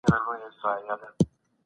له اړمنو سره د زړه له کومي مرسته وکړئ.